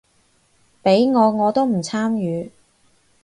畀我我都唔參與